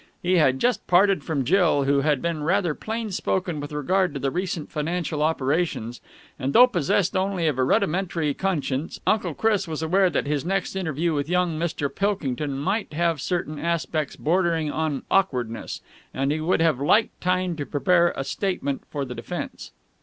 He had just parted from Jill, who had been rather plain spoken with regard to the recent financial operations; and, though possessed only of a rudimentary conscience, Uncle Chris was aware that his next interview with young Mr. Pilkington might have certain aspects bordering on awkwardness and he would have liked time to prepare a statement for the defence.